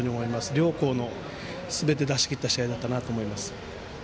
両校のすべてを出し切った試合だったなと思います。